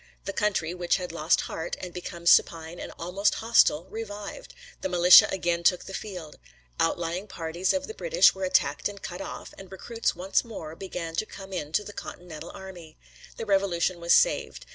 The country, which had lost heart, and become supine and almost hostile, revived. The militia again took the field. Outlying parties of the British were attacked and cut off, and recruits once more began to come in to the Continental army. The Revolution was saved.